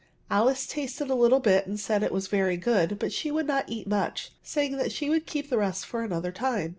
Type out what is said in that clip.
Alice tasted a Uttle bit and said it was veiy good, but she would not eat much, saying she would keep the rest for another time.